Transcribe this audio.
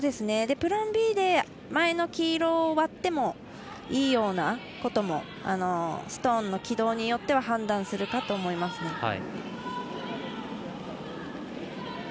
プランＢで前の黄色を割ってもいいようなこともストーンの軌道によっては判断するかと思いますね。